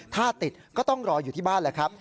ถ้าติดก็ต้องรออยู่ที่บ้านแหละครับ